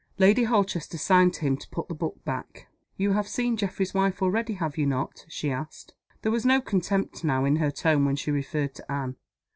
Lady Holchester signed to him to put the book back. "You have seen Geoffrey's wife already have you not?" she asked. There was no contempt now in her tone when she referred to Anne.